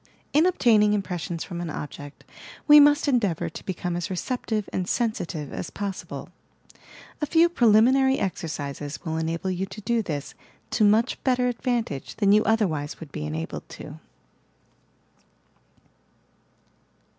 In obtaining impressions from an object, we must en deavour to become as receptive and sensitive as possible, A few preliminary exercises will enable you to do this to much better advantage than you otherwise would be enabled to.